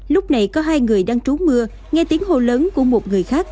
lúc này có hai người đang trú mưa nghe tiếng hồ lớn của một người khác